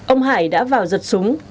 ông hải đã vào giật súng